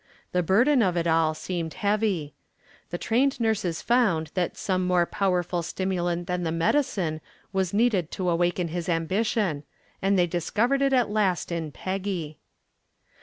The burden of it all seemed heavy. The trained nurses found that some more powerful stimulant than the medicine was needed to awaken his ambition, and they discovered it at last in Peggy.